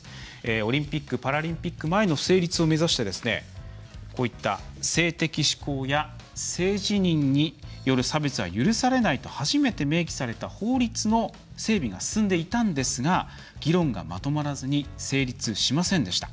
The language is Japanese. オリンピック・パラリンピック前の成立を目指してですね性的指向や性自認による差別は許されないと初めて明記された法律の整備が進んでいたんですが議論がまとまらずに成立しませんでした。